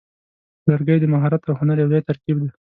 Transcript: لرګی د مهارت او هنر یوځای ترکیب دی.